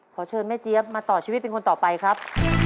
ขอเชิญแม่เจี๊ยบมาต่อชีวิตเป็นคนต่อไปครับ